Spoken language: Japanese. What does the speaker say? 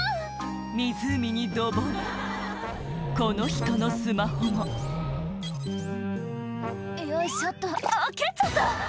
湖にドボンこの人のスマホも「よいしょっとあっ蹴っちゃった！」